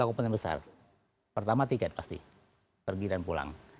ada tiga kompetensi besar pertama tiket pasti pergi dan pulang